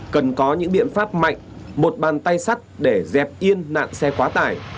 cần có những biện pháp mạnh một bàn tay sắt để dẹp yên nạn xe quá tải